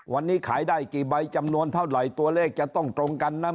วันนี้ขายได้กี่ใบจำนวนเท่าไหร่ตัวเลขจะต้องตรงกันนะ